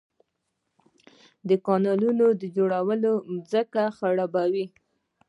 د کانالونو جوړول ځمکې خړوبوي